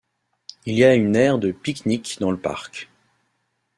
Il y a une aire de pique-nique dans le parc.